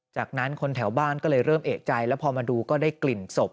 จากนั้นคนแถวบ้านก็เลยเริ่มเอกใจแล้วพอมาดูก็ได้กลิ่นศพ